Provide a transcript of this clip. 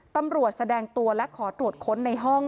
ตำรวจแสดงตัวและขอตรวจค้นในห้อง